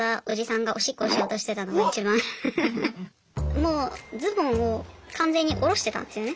もうズボンを完全に下ろしてたんですよね